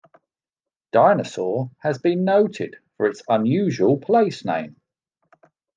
Dinosaur has been noted for its unusual place name.